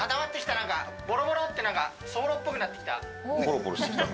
なんかボロボロってそぼろっぽくなってきた。